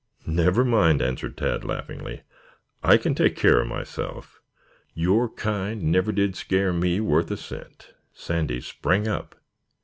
"Never mind," answered Tad laughingly. "I can take care of myself. Your kind never did scare me worth a cent." Sandy sprang up.